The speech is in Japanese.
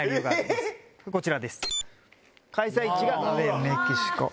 こちらです。